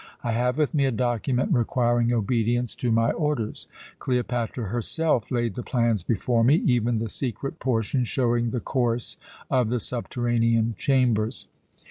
I have with me a document requiring obedience to my orders. Cleopatra herself laid the plans before me, even the secret portion showing the course of the subterranean chambers.